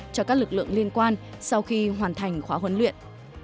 cho các lực lượng liên quan sau khi hoàn thành khóa huấn luyện